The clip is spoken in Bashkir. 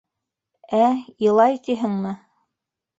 — Ә, илай, тиһеңме?